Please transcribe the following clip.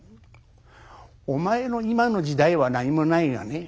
お前の今の時代は何もないがね